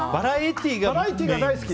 バラエティーが大好き。